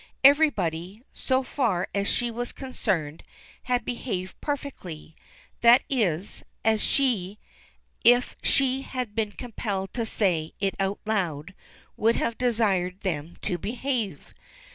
Everybody, so far as she was concerned, had behaved perfectly; that is, as she, if she had been compelled to say it out loud, would have desired them to behave.